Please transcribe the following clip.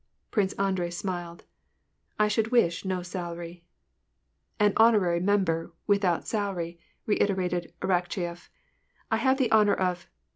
Prince Andrei smiled. " I should wish no salary." " An honorary member, without salary," reiterated Arak cheyef.